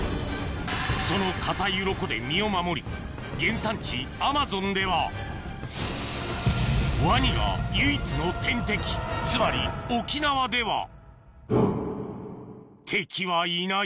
その硬い鱗で身を守り原産地アマゾンではワニが唯一の天敵つまり沖縄では敵はいない